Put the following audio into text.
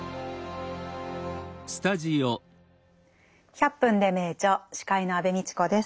「１００分ｄｅ名著」司会の安部みちこです。